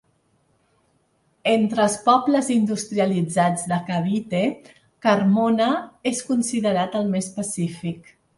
Entre els pobles industrialitzats de Cavite, Carmona és considerat el més pacífic.